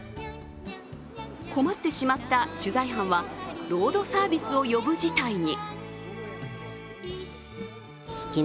困ってしまった取材班はロードサービスを呼ぶ事態に。